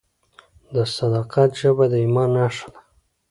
د صداقت ژبه د ایمان نښه ده.